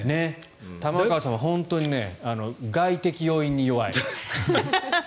玉川さんは本当に外的要因に弱い。